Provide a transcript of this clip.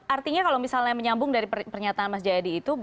artinya kalau misalnya menyambung dari pernyataan mas jayadi itu